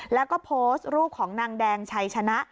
แล้วก็โพสต์รูปของนางแดงชัยชนะ